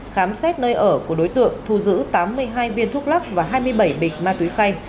khám xét nơi ở của đối tượng thu giữ tám mươi hai viên thuốc lắc và hai mươi bảy bịch ma túy khay